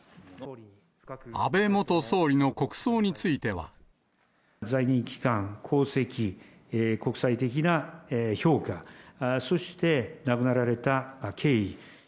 安倍元総理の国葬については。在任期間、功績、国際的な評価、そして亡くなられた経緯。